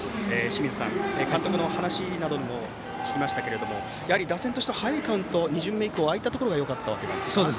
清水さん、監督の話なども聞きましたけどやはり打線としては早いカウント２巡目以降、ああいったところがよかったわけですか？